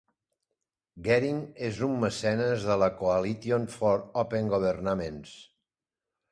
Geering és un mecenes de la Coalition for Open Governaments.